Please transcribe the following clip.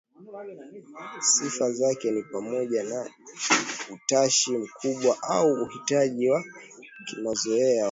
Sifa zake ni pamoja na i utashi mkubwa au uhitaji wa kimazoea wa